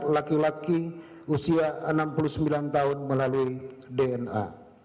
laki laki usia enam puluh sembilan tahun melalui dna